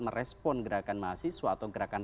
merespon gerakan mahasiswa atau gerakan